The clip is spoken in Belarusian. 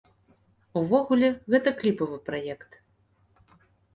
Увогуле, гэта кліпавы праект.